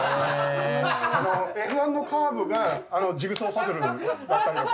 Ｆ１のカーブがジグソーパズルになったりとか。